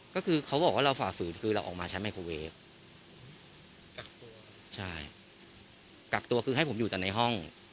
ก็คือเขาบอกว่าเราฝ่าฝืนคือเราออกมาใช้ไมโครเวฟกักตัวใช่กักตัวคือให้ผมอยู่แต่ในห้อง